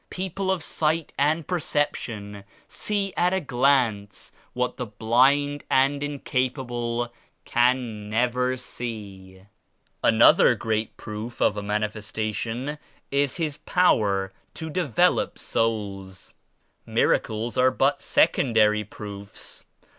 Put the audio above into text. People of sight and perception see at a glance what the blind and incapable can never see." "Another great proof of a Manifestation is His power to develop souls. Miracles are but sec ondary proofs.